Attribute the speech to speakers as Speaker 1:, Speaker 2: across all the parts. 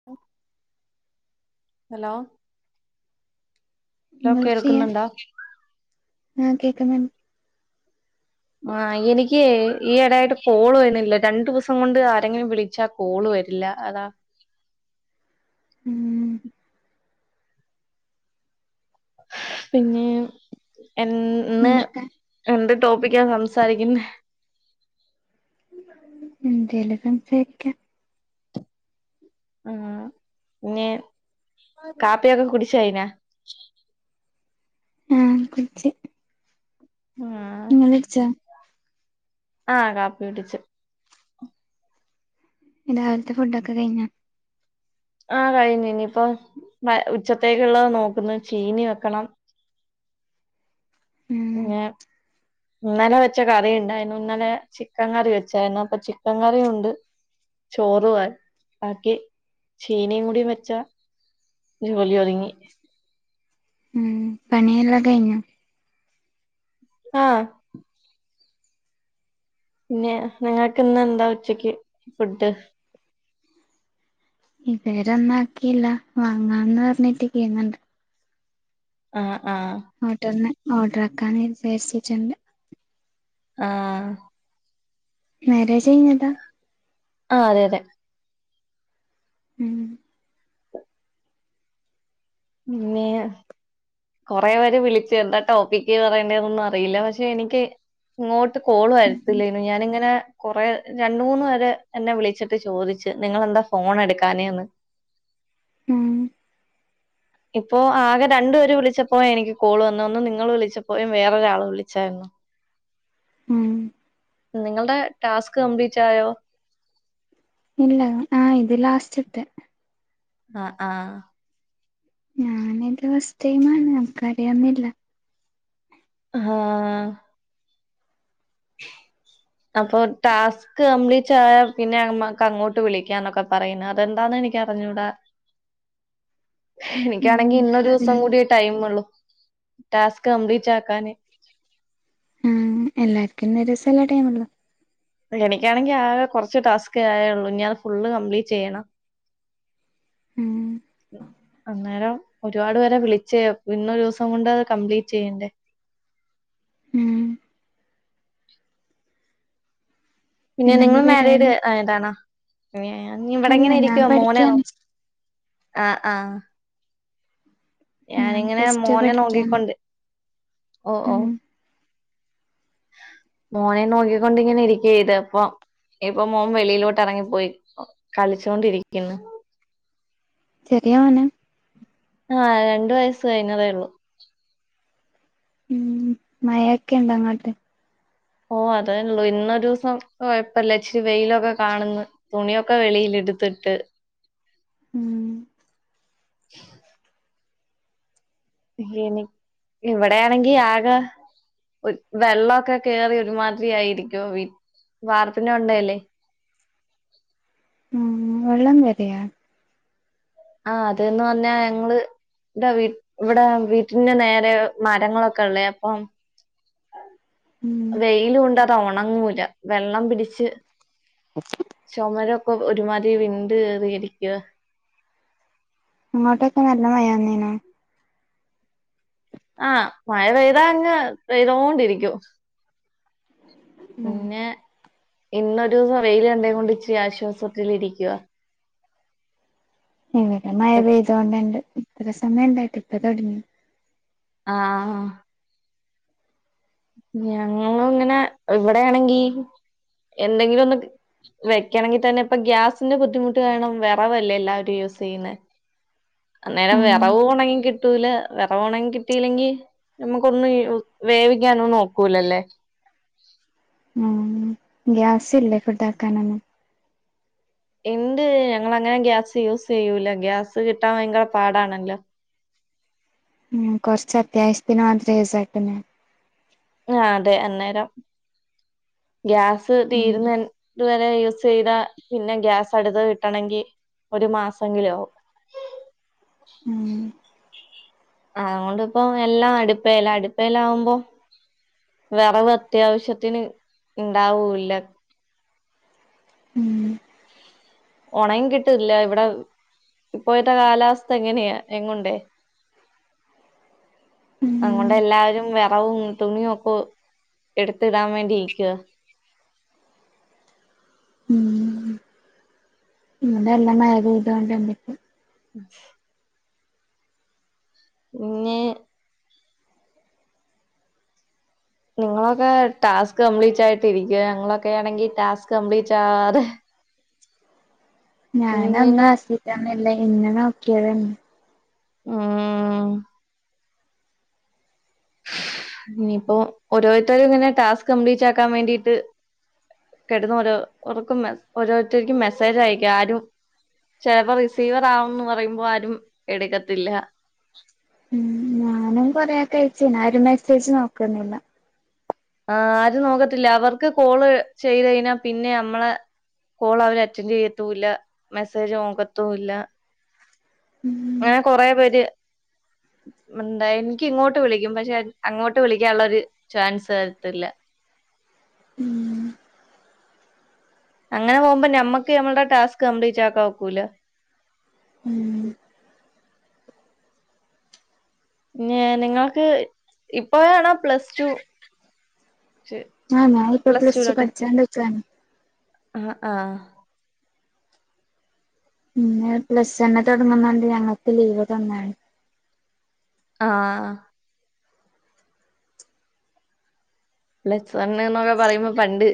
Speaker 1: [inaudible]
Speaker 2: Hello hello കേൾക്കുന്നുണ്ടോ
Speaker 1: [unintelligible] ആ കേക്കുന്നുണ്ട്
Speaker 2: ആ എനിക്ക് ഈ ഇടായിട്ട് കോള് വരണില്ല രണ്ടു ദിവസം കൊണ്ട് ആരെങ്കിലും വിളിച്ചാൽ- കോള് വരില്ല അതാ-
Speaker 1: [inaudible]
Speaker 2: പിന്നെ എന്ന്
Speaker 1: എന്തൊക്കെ
Speaker 2: എന്ത് ടോപ്പിക്ക സംസാരിക്കുന്നെ
Speaker 1: എന്തെലും സംസാരിക്കാം
Speaker 2: ഉം പിന്നെ കാപ്പിയൊക്കെ കുടിച്ചു കഴിഞ്ഞോ
Speaker 1: ആഹ് കുടിച്ച്
Speaker 2: ആഹ്
Speaker 1: നിങ്ങള് കുടിച്ചോ
Speaker 2: ആഹ് കാപ്പി കുടിച്ചു
Speaker 1: രാവിലത്തെ ഫുഡൊക്കെ കഴിഞ്ഞോ
Speaker 2: ആഹ് കഴിഞ്ഞ് ഇനിയിപ്പൊ ഉച്ചത്തേക്കുള്ള നോക്കുന്നു ചീനി വെക്കണം
Speaker 1: ഉം
Speaker 2: പിന്നെ ഇന്നലെ വെച്ച കറി ഇണ്ടായിന്നു ഇന്നലെ ചിക്കൻ കറി വെച്ചായിരുന്നു അപ്പൊ ചിക്കൻ കറിയുണ്ട് ചോറും ആയി ബാക്കി ചീനി കൂടി വെച്ചാ - ജോലിയൊതുങ്ങി
Speaker 1: ഉം പണിയെല്ലാം കഴിഞ്ഞോ
Speaker 2: ആഹ് പിന്നെ നിങ്ങക്ക് ഇന്ന് എന്താ ഉച്ചക്ക് ഫുഡ്
Speaker 1: ഇതുവരെ ഒന്നും ആക്കിയില്ല വാങ്ങാന്ന് പറഞ്ഞിട്ട് [unintelligible]
Speaker 2: ആഹ് ആഹ്
Speaker 1: ഹോട്ടലന് ഓർഡർ ആക്കാൻ വിചാരിച്ചിട്ടുണ്ട് [unintelligible]
Speaker 2: ആഹ്
Speaker 1: മാരേജ് കഴിഞ്ഞതാ
Speaker 2: ആഹ് അതെ അതെ
Speaker 1: ഉം
Speaker 2: മന്ന [unintelligible] കൊറെ പേര് വിളിച്ച് എന്താ ടോപ്പിക്ക് പറയേണ്ടതൊന്നും അറിയില്ല പക്ഷെ എനിക്ക്- ഇങ്ങോട്ട് കോള് വരത്തില്ലാരുന്നു ഞാനിങ്ങനെ കൊറെ രണ്ട് മൂന്ന് പേര് എന്നെ വിളിച്ച- വിളിച്ചിട്ട് ചോദിച്ചു നിങ്ങളെന്താ ഫോൺ എടുക്കാഞ്ഞെന്ന്
Speaker 1: ഉം
Speaker 2: ഇപ്പോ ആകെ രണ്ടു പേര് വിളിച്ചപ്പോയ എനിക്ക് കോള് വന്നത് ഒന്ന് നിങ്ങള് വിളിച്ചപ്പോ വേറൊരാള് വിളിച്ചായിരുന്നു
Speaker 1: ഉം
Speaker 2: നിങ്ങളുടെ ടാസ്ക് കംപ്ലീറ്റ് ആയോ
Speaker 1: ഇല്ല ആഹ് ഇത് ലാസ്റ്റില്ലത്തെ
Speaker 2: ആഹ് ആഹ്
Speaker 1: ഞാനിത് ഫസ്റ്റ് ടൈമന്നാ നമുക്ക് അറിയുന്നില്ല
Speaker 2: ഹാ അപ്പൊ ടാസ് ക്ക് കംപ്ലീറ്റ് ആയാ പിന്നെ അമ്മക്ക് അങ്ങോട്ട് വിളിക്കാന്നൊക്കെ പറയുന്നു അതെന്താന്ന് എനിക്ക് അറിഞ്ഞൂടാ
Speaker 1: ഉം
Speaker 2: എനിക്കാണെങ്കി
Speaker 1: കറി
Speaker 2: ഇന്നൊരൂസം കൂടിയേ ടൈമ് ഉള്ളു ടാസ്ക് കംപ്ലീറ്റാകാന്
Speaker 1: ആഹ് എല്ലാർക്കും ഇന്നോരുസല്ലേ ടൈം ഒള്ളു
Speaker 2: എനിക്കാണെങ്കി ആകെ കൊറച്ച് ടാസ്കേ ആയൊള്ളൂ ഇനി അത് ഫുള്ള് കംപ്ലീറ്റ് ചെയ്യണം
Speaker 1: ഉം
Speaker 2: അന്നേരം ഒരുപാട് പേരെ വിളിച്ചേ ഇന്നൊരു ദിവസം കൊണ്ട് അത് കംപ്ലീറ്റ് ചെയ്യണ്ടേ
Speaker 1: ഉം
Speaker 2: പിന്നെ
Speaker 1: പിന്നെന്താ
Speaker 2: നിങ്ങള് മാരീഡ്
Speaker 1: പരിപാടി
Speaker 2: ആയതാണോ ഞാൻ ഇവിട
Speaker 1: അല്ല
Speaker 2: ഇങ്ങനെ
Speaker 1: ഞാൻ
Speaker 2: ഇരിക്കുവാ മോനെ നോ
Speaker 1: പഠിക്കാണ്
Speaker 2: ആഹ് ആഹ്
Speaker 1: ഞാൻ
Speaker 2: ഞാനിങ്ങനെ
Speaker 1: പ്ലസ് ടു
Speaker 2: മോനെ
Speaker 1: പഠിക്കാണ്
Speaker 2: നോക്കിക്കൊണ്ട് ഓഹ്
Speaker 1: ഉം
Speaker 2: ഓഹ് മോനെ നോക്കി ക്കൊണ്ട് ഇങ്ങനെ ഇരിക്കാ ഇത് അപ്പൊ ഇപ്പം മോൻ വെളിയിലോട്ട് എറങ്ങി പോയി കളിച്ചൊണ്ടിരിക്ക്ന്ന്
Speaker 1: ചെറിയ മോനാ
Speaker 2: ആഹ് രണ്ടു വയസ്സ് കഴിഞ്ഞതേ ഉള്ളൂ
Speaker 1: ഉം മഴയെക്കെ ഇണ്ടോ അങ്ങോട്ട്
Speaker 2: ഓഹ് അതെ ഉള്ളൂ ഇന്നൊരൂസം കൊയപ്പല്ല ഇച്ചിരി വെയിലൊക്കെ കാണുന്ന് തുണിയൊക്കെ വെളീല് എടുത്ത് ഇട്ട്
Speaker 1: ഉം ! ! ! ! !
Speaker 2: എനി ഇവിടേണെങ്കി ആക ഒര് വെള്ളവൊക്കെ കേറി ഒരുമാതിരി ആയിരിക്കുവ വീ വാർപ്പിന്റെ മണ്ട ഇല്ലേ
Speaker 1: ഉം വെള്ളം കേറിയ
Speaker 2: ആഹ് അത് ന്ന പറഞ്ഞാ ഞങ്ങള് ഇതാ വീട്ട് ഇവ്ടെ വീട്ടിന്റെ നേരെ മരങ്ങളൊക്കെ ഉള്ളേ അപ്പോം
Speaker 1: ഉം
Speaker 2: വെയ്ല് കൊണ്ട അത് ഒണങ്ങൂല വെള്ളം പിടിച്ച് ! ! ! ! ! ! ചൊമരൊക്കെ ഒരുമാതിരി വിണ്ട് കീറിയിരിക്കുവാ
Speaker 1: അങ്ങോട്ടൊക്കെ നല്ല മഴ ആന്നീനൊ
Speaker 2: ആഹ് മഴ പെയ്താ അങ്ങ് പെയ്തോണ്ടിരിക്കും
Speaker 1: ഉം
Speaker 2: പിന്നെ ഇന്നൊരൂസം വെയില് കണ്ടേ കൊണ്ട് ഇച്ചിരി ആശ്വാസത്തില് ഇരിക്കുവാ
Speaker 1: ഇവ്ടെ മഴ പെയ്തോണ്ടാണ്ട് ഇത്ര സമയം ഇണ്ടായിട്ട് ഇപ്പ തൊടങ്ങി
Speaker 2: ആഹ് ഞങ്ങളിങ്ങനെ ഇവ്ടെ ആണെങ്കി എന്തെങ്കിലും ഒന്ന് വെക്കണെങ്കി തന്നെ ഇപ്പൊ ഗ്യാസിന്റെ ബുദ്ധിമുട്ട് കാരണം വെറവല്ലേ എല്ലാരും യൂസ് ചെയ്യുന്നേ അന്നേരം
Speaker 1: ഉം
Speaker 2: വെറവും ഒണങ്ങി കി ട്ടൂല വെറവ് ഒണങ്ങി കിട്ടീലങ്കി നമുക്ക് ഒന്നും ഈ വേവിക്കാനൊന്നും ഒക്കൂലല്ലേ
Speaker 1: ഉം ഗ്യാസില്ലേ ഫുഡ് ആക്കാനൊന്നും
Speaker 2: ഇണ്ട് ഞങ്ങള് അങ്ങനെ ഗ്യാസ് യൂസ് ചെയ്യൂല ഗ്യാസ് കിട്ടാൻ ഭയങ്കര പാടാണല്ലോ
Speaker 1: ഉം കൊറച്ച് അത്യാവശ്യത്തിന് മാത്രം യൂസാക്കുന്നു
Speaker 2: ആഹ് അതെ അന്നേരം ഗ്യാസ്
Speaker 1: ഉം
Speaker 2: തീരുന്ന അൻ [unintelligible] [unintelligible] യൂസെയ്താ പിന്നെ ഗ്യാസ് അടുത്തത് കിട്ടണങ്കി ഒരു മാസൊങ്കിലും ആവും
Speaker 1: ഉം
Speaker 2: ആഹ് അതുകൊണ്ട് ഇപ്പോം എല്ലാം അടുപ്പേല അടുപ്പേല് ആവുമ്പോ വെറവ് അത്യാവശ്യത്തിന് ഇണ്ടാവൂല്ല
Speaker 1: ഉം
Speaker 2: ഒണങ്ങി കിട്ട്ല്ല ഇവടെ ഇപ്പോയത്തെ കാലാവസ്ഥ എങ്ങനെയാ എങ്ങുണ്ടേ അതും
Speaker 1: ഉം
Speaker 2: കൊണ്ട് എല്ലാവരും വെറവും തുണിയും ഒക്കൊ എടുത്തിടാൻ വേണ്ടി യിക്കുവാ
Speaker 1: ഉം ഇവ്ടെ നല്ല മഴ പെയ്ത് കാണ്ട് [unintelligible] ! ! ! ! ! ! ! !
Speaker 2: ന്ന് നിങ്ങളൊക്കെ ടാസ്ക് കംപ്ലീറ്റ് ആയിട്ടിരിക്കുവ ഞങ്ങളൊക്കെ ആണെങ്കി ടാസ്ക് കംപ്ലീറ്റ് ആവാതെ ഇങ്ങനെ
Speaker 1: ഞാനന്ന് [unintelligible] ഇന്ന് നോക്കിയതന്നെ
Speaker 2: ആഹ് ഇനിയിപ്പോ ഓരോരുത്തരും ഇങ്ങനെ ടാസ്ക് കംപ്ലീറ്റ് ആക്കാൻ വേണ്ടീട്ട് കിടന്ന് ഓരോ ർക്കും മെസ് ഓരോരുത്തര്ക്കും മെസ്സേജ് അയക്ക ആരും ചെലപ്പോ റിസീവർ ആകുംന്ന് പറയുമ്പോ ആരും എടുക്കത്തില്ല
Speaker 1: ഉം ഞാനും കൊറേ ആക്ക് അയച്ച് നാരും മെസ്സേജ് നോക്കുന്നില്ല
Speaker 2: ആഹ് ആരും നോക്കത്തില്ല. അവർക്ക് കോള് ചെയ്ത് കഴിഞ്ഞാ പിന്നെ നമ്മളെ കോൾ അവര് അറ്റൻഡ് ചെയ്യത്തൂല്ല മെസ്സേജ് നോക്കത്തൂല്ല
Speaker 1: ഉം
Speaker 2: ഇങ്ങനെ കൊറെ പേര് മുണ്ട് എനിക്ക് ഇങ്ങോട്ട് വിളിക്കും പക്ഷെ അങ്ങോട്ട് വിളിക്കാനുള്ളരു ചാൻസ് തരത്തില്ല.
Speaker 1: ഉം
Speaker 2: അങ്ങനെ പോകുമ്പം ഞമ്മക്ക് ഞമ്മൾടെ ടാസ്ക് കമ്പ്ലീറ്റ് ആക്കാൻ ഒക്കൂല.
Speaker 1: ഉം
Speaker 2: ന്നേ നിങ്ങൾക്ക് ഇപ്പോഴാണോ പ്ലസ് ടു
Speaker 1: ആഹ് ഞാ ഇപ്പൊ
Speaker 2: പ്ലസ്
Speaker 1: പ്ലസ്ടു
Speaker 2: ടുലോട്ട്
Speaker 1: പഠിച്ചോണ്ട് ക്കാണ്.
Speaker 2: ആഹ് ആഹ്
Speaker 1: ഇന്ന് പ്ലസ് വൺ തൊടങ്ങുന്നോണ്ട് ഞങ്ങൾക്ക് ലീവ് തന്നതാണ്.
Speaker 2: ആഹ് പ്ലസ് വണ്ണ് ന്നൊക്കെ പറയുമ്പം പണ്ട്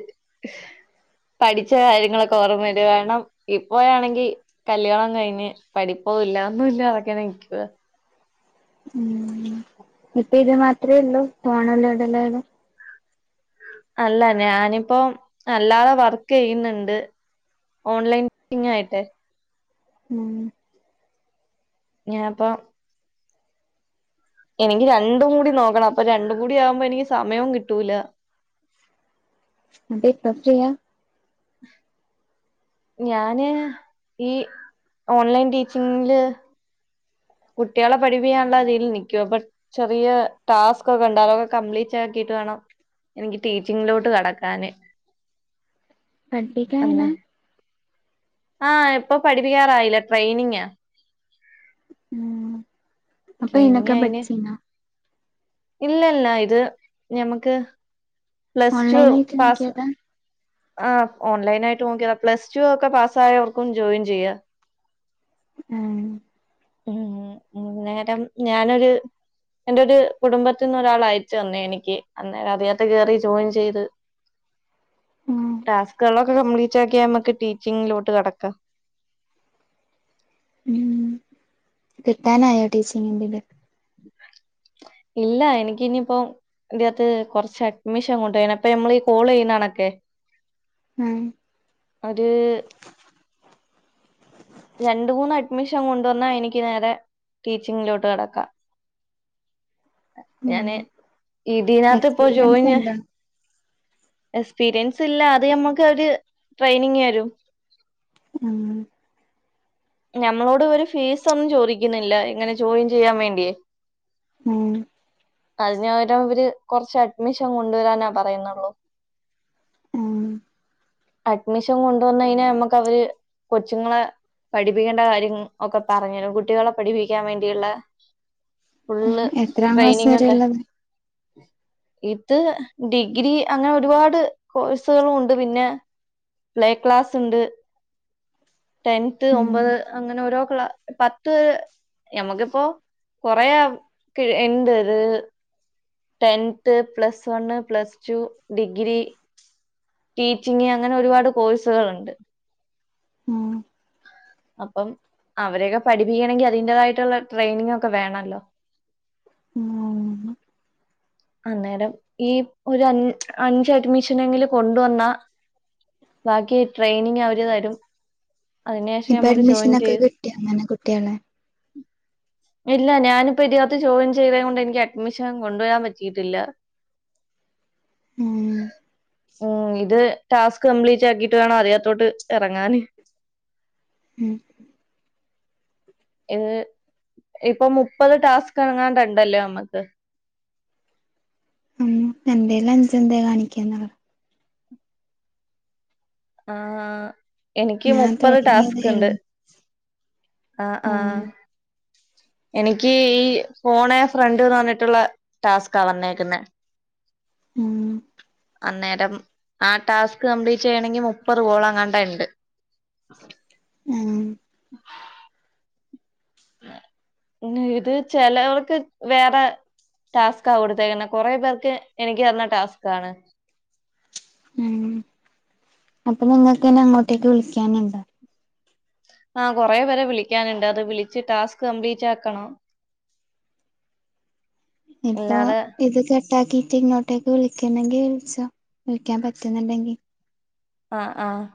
Speaker 2: പഠിച്ച കാര്യങ്ങളൊക്കെ ഓർമ്മ വരു കാരണം ഇപ്പോയാണെങ്കി കല്യാണം കഴിഞ്ഞ് പഠിപ്പൂല്ല ഒന്നൂല്ലാ തെങ്ങനെ നിക്കുവാ.
Speaker 1: ഉം ഇപ്പൊ ഇജ്ജ് മാത്രേ ഇള്ളൂ തോണല്ല ഇടല്ലേന്
Speaker 2: അല്ല ഞാനിപ്പോം അല്ലാതെ വർക്കെയ്യുന്നുണ്ട്. ഓൺലൈനിങ്ങായിട്ടേ.
Speaker 1: ഉം
Speaker 2: ഞാ പ്പം എനിക്ക് രണ്ടും കൂടി നോക്കണം അപ്പൊ രണ്ടും കൂടി ആവുമ്പോ എനിക്ക് സമയവും കിട്ടൂല.
Speaker 1: എന്നിട്ട് ഇപ്പം ചെയ്യാ
Speaker 2: [inaudible] ഞാന് ഈ ഓണ്ലൈൻ ടീച്ചിങ്ങില് കുട്ടികളെ പഠിപ്പിക്കാനുള്ളതിൽ നിൽക്കുവാ അപ്പ ചെറിയ ടാസ്ക് ഒക്കെ ണ്ട് അതൊക്കെ കംപ്ലീറ്റ് ആക്കിട്ട് വേണം എനിക്ക് ടീച്ചിങ്ങിലോട്ട് കടക്കാന്.
Speaker 1: [unintelligible]
Speaker 2: അന്നെ
Speaker 1: എങ്ങനാ
Speaker 2: ആഹ് ഇപ്പൊ പഠിപ്പിക്കാറായില്ല ട്രെയിനിങാ.
Speaker 1: ആഹ് അപ്പൊ എയ്നൊക്കെ പഠിച്ചിനാ.
Speaker 2: ഇല്ല ല്ല ഇത് ഞമ്മക്ക് പ്ലസ് ടു
Speaker 1: ഓൺലൈനായിട്ട്
Speaker 2: പാസ്
Speaker 1: നോക്കിയതാ
Speaker 2: ആഹ് ഓൺലൈനായിട്ട് നോക്കിയതാ. പ്ലസ് ടു ഒക്കെ പാസ് ആയവർക്കും ജോയിൻ ചെയ്യാ.
Speaker 1: ഏഹ്
Speaker 2: ഉം അന്നേരം ഞാനൊര് എന്റെ ഒരു കുടുംബത്തിൽ നിന്ന് ഒരാൾ അയച്ചു തന്നെയാ എനിക്ക് അന്നേരം അതിനകത്ത് കയറി ജോയിൻ ചെയ്ത്.
Speaker 1: ആഹ്
Speaker 2: ടാസ്കുകളൊക്കെ കംപ്ലീറ്റ് ആക്കിയാ നമ്മക്ക് ടീച്ചിങ്ങിലോട്ട് കടക്കാം.
Speaker 1: ഉം. കിട്ടാനായോ ടീച്ചിങ്ങിന്റെ ഇത്? [inaudible]
Speaker 2: ഇല്ല എനിക്ക ഇനിയിപ്പോ ഇതിനകത്ത് കുറച്ച് അഡ്മിഷൻ കൊണ്ട് അപ്പൊ നമ്മൾ ഈ കോൾ ചെയ്യുന്നാണൊക്കെ.
Speaker 1: ഉം
Speaker 2: അത് രണ്ട് മൂന്ന് അഡ്മിഷൻ കൊണ്ടുവന്നാൽ എനിക്ക് നേരെ ടീച്ചിങ്ങിലോട്ട് കടക്കാം.
Speaker 1: ഉം
Speaker 2: ഞാന് ഇതിനകത്ത് ഇപ്പോ
Speaker 1: എക്സ്പീരിയൻസ്
Speaker 2: ജോയിൻ
Speaker 1: എന്താ
Speaker 2: എക്സ്പീരിയൻസ് ഇല്ല അത് നമ്മക്ക് ഒരു ട്രെയിനിങ് തരും
Speaker 1: ഉം
Speaker 2: ഞമ്മളോട് ഒരു ഫീസൊന്നും ചോദിക്കുന്നില്ല ഇങ്ങനെ ജോയിൻ ചെയ്യാൻ വേണ്ടിയേ
Speaker 1: ഉം
Speaker 2: അതിന് പകരം അവര് കുറച്ച് അഡ്മിഷൻ കൊണ്ടുവരാനാ പറയുന്നുള്ളൂ
Speaker 1: ഉം
Speaker 2: അഡ്മിഷൻ കൊണ്ടുവന്ന് കഴിഞ്ഞാ നമ്മുക്ക് അവര് കൊച്ച്ങ്ങളെ പഠിപ്പിക്കേണ്ട കാര്യം ഒക്കെ പറഞ്ഞരും കുട്ടികളെ പഠിപ്പിക്കാൻ വേണ്ടിയുള്ള
Speaker 1: ഉം
Speaker 2: ഫുള്ള്
Speaker 1: എത്രാം ക്ലാസ്
Speaker 2: ട്രെയിനിങ്ണ്ട്
Speaker 1: വരെള്ളത്
Speaker 2: ഇത് ഡിഗ്രി അങ്ങനെ ഒരുപാട് കോഴ്സുകളും ഉണ്ട് പിന്നെ പ്ലേക്ലാസ് ഉണ്ട് ടെൻത്
Speaker 1: ഉം
Speaker 2: ഒമ്പത് അങ്ങനെ ഓരോ ക്ലാ പത്ത് നമ്മുക്കിപ്പോ കൊറേ കിഴ് ഇണ്ട് അത് tenth plus one plus two degree teaching അങ്ങനെ ഒരുപാട് കോഴ്സുകളുണ്ട്
Speaker 1: ഉം
Speaker 2: അപ്പം അവരൊക്കെ പഠിപ്പിക്കണെങ്കിൽ അതിന്റേതായിട്ടുള്ള ട്രെയിനിങ് ഒക്കെ വേണല്ലോ
Speaker 1: ഉം
Speaker 2: അന്നേരം ഈ ഒരു അഞ്ച് അഞ്ച് അഡ്മിഷനങ്കിലും കൊണ്ടുവന്ന ബാക്കി ട്രെയിനിങ് അവര് തരും അയിന് ശേഷം
Speaker 1: ഇപ്പൊ
Speaker 2: ഞമ്മക്ക് ജോയിൻ
Speaker 1: അഡ്മിഷനൊക്കെ
Speaker 2: ചെയ്ത്
Speaker 1: കിട്ടിയോ അങ്ങനെ കുട്ട്യാളെ
Speaker 2: ഇല്ല ഞാനിപ്പോ ഇതിനകത്ത് ജോയിൻ ചെയ്തേ ങ്കൊണ്ട് എനിക്ക് അഡ്മിഷൻ അങ്ങ് കൊണ്ടുവരാൻ പറ്റ് റ്റിയിട്ടില്ല
Speaker 1: ഉം
Speaker 2: ഉം ഇത് ടാസ്ക് കംപ്ലീറ്റ് ആക്കിട്ട് വേണം അതിനത്തോട്ട് ഇറങ്ങാന്
Speaker 1: ഉം
Speaker 2: ഇന്ന് ഇപ്പൊ മുപ്പത് ടാസ്ക് എങ്ങാണ്ട് ഇണ്ടല്ലേ നമ്മുക്ക്
Speaker 1: എന്റേലഞ്ച് ന്തേ കാണിക്കുന്നുള്ളൂ
Speaker 2: ആഹ് എനിക്ക്
Speaker 1: ഞാൻ
Speaker 2: മുപ്പത്
Speaker 1: തൊടങ്ങിയതേ
Speaker 2: ടാസ്ക് ഉണ്ട്
Speaker 1: ഒള്ളു
Speaker 2: ആഹ്
Speaker 1: ഉം
Speaker 2: ആഹ് എനിക്ക് ഈ ഫോണ് ഫ്രണ്ട്ന്ന് പറഞ്ഞിട്ടുള്ള ടാസ്കാ വന്നേക്കുന്നെ
Speaker 1: ഉം
Speaker 2: അന്നേരം ആ ടാസ്ക് കംപ്ലീറ്റ് ചെയ്യണങ്കി മുപ്പത് കോൾ എങ്ങാണ്ട ഇണ്ട്
Speaker 1: ഉം
Speaker 2: ന്നെ ഇത് ചിലവർക്ക് വേറെ ടാസ്കാ കൊടുത്തേക്കുന്നെ കുറെ പേർക്ക് എനിക്ക് തന്ന ടാസ്ക്കാണ്
Speaker 1: ഉം അപ്പൊ നിങ്ങൾക്ക്ന്നെ അങ്ങോട്ടേക്ക് വിളിക്കാനുണ്ടോ
Speaker 2: ആഹ് കൊറെ പേരെ വിളിക്കാനുണ്ട് അത് വിളിച്ച് ടാസ്ക് കംപ്ലീറ്റ് ആക്കണം.
Speaker 1: ഇപ്പൊ
Speaker 2: ഇല്ലാതെ
Speaker 1: ഇത് കട്ടാക്കിയിട്ട് ഇങ്ങോ ട്ടേക്ക് വിളിക്കുന്നെങ്കിൽ വിളിച്ചോ വിളിക്കാൻ പറ്റുന്നുണ്ടെങ്കി
Speaker 2: ആഹ് ആഹ്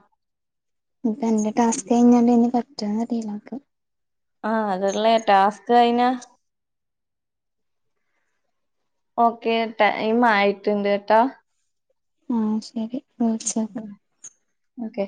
Speaker 1: ഇൻപ്പൊ എന്റെ ടാസ്ക് കഴിഞ്ഞണ്ട് ഇനി പറ്റോ ന്നറിയില്ല ക്ക്‌
Speaker 2: ആഹ് അതുള്ളേ ടാസ്ക് കഴിഞ്ഞാ ഓക്കെ ടൈം ആയിട്ടുണ്ട് ട്ടാ
Speaker 1: ആഹ് ശരി ഓക്കെ
Speaker 2: ഓക്കെ